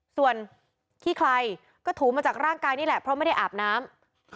ส่วนขี้ไครก็ถูมาจากร่างกายนี่แหละเพราะไม่ได้อาบน้ำ